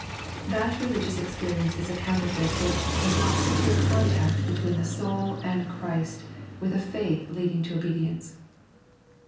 That Religious Experience is a Counterfeit which dobs HOT SECUBE CONTACT BETWEEN THE SoUL AND CHRIST, WITH A Faith lbadiho to Obbdibmce.